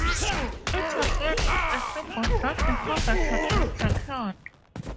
It was meant as a symbol that the harvest had been secured.